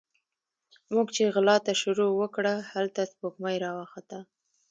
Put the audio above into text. موږ چې غلا ته شروع وکړه، هلته سپوږمۍ راوخته